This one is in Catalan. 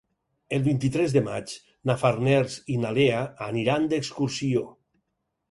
El vint-i-tres de maig na Farners i na Lea aniran d'excursió.